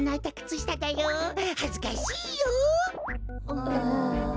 うん。